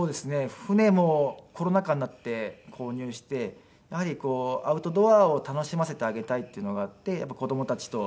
船もコロナ禍になって購入してやはりアウトドアを楽しませてあげたいっていうのがあってやっぱり子供たちと。